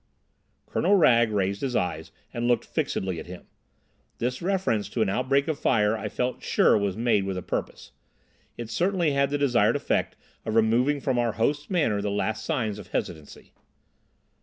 Colonel Wragge raised his eyes and looked fixedly at him. This reference to an outbreak of fire I felt sure was made with a purpose. It certainly had the desired effect of removing from our host's manner the last signs of hesitancy.